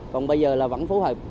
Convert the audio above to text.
còn bây giờ là vẫn phối hợp